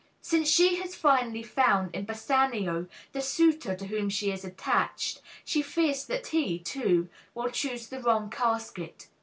Since she has finally found in Bassanio the suitor to whom she is attached, she fears that he, too, will choose the wrong casket.